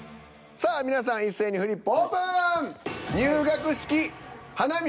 さあ皆さん一斉にフリップオープン！